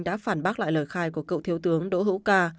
đã phản bác lại lời khai của cậu thiếu tướng đối hữu ca